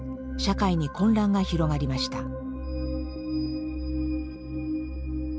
社会に混乱が広がりました。